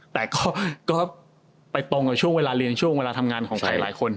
แต่ก็ไปตรงกับช่วงเวลาเรียนช่วงเวลาทำงานของใครหลายคน